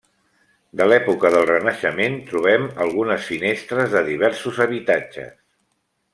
De l'època del Renaixement trobem algunes finestres de diversos habitatges.